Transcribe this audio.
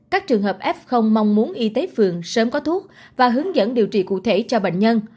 các trường hợp f mong muốn y tế phường sớm có thuốc và hướng dẫn điều trị cụ thể cho bệnh nhân